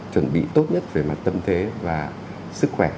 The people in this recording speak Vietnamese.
chuẩn bị tốt nhất về mặt tâm thế và sức khỏe